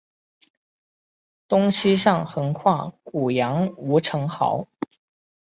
东西向横跨古杨吴城壕。